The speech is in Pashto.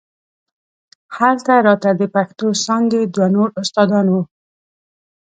هلته راته د پښتو څانګې دوه نور استادان وو.